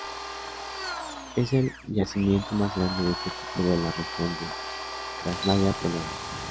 Es el yacimiento más grande de este tipo en la región de Krásnaya Poliana.